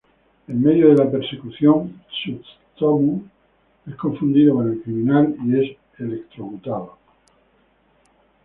En medio de la persecución, Tsutomu es confundido con el criminal y es electrocutado.